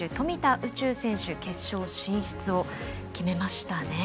宇宙選手決勝進出を決めましたね。